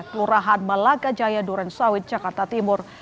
kelurahan malaka jaya durensawit jakarta timur